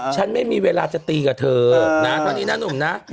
ฉันไม่มีเวลาจะตีกับเธอนะเท่านี้นะหนุ่มนะ